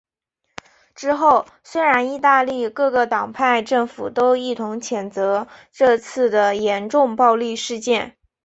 之后虽然意大利各个党派政府都一同谴责这次的严重暴力事件。